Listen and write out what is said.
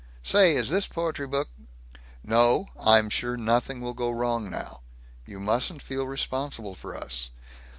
Say, is this poetry book " "No, I'm sure nothing will go wrong now. You mustn't feel responsible for us.